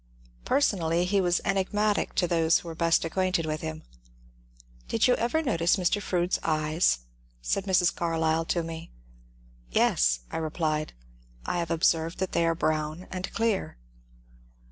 Personally he was enigmatic to those who were best ac quainted with him. "Did you ever notice Mr. Froude's eyes ?" said Mrs. Carlyle to me. " Yes," I replied, " I have observed that they are brown and clear."